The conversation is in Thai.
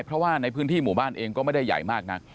เพราะว่าในพื้นที่หมู่บ้านเองก็ไม่ได้ใหญ่มากนัก